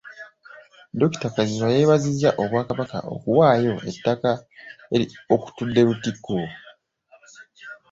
Dr. Kazimba yeebazizza Obwakabaka okuwaayo ettaka okutudde Lutikko.